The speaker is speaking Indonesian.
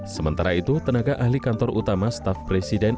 sementara itu tenaga ahli kantor utama staf presiden